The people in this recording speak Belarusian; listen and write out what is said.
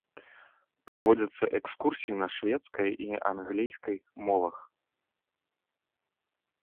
Праводзяцца экскурсіі на шведскай і англійскай мовах.